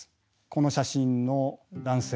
この写真の男性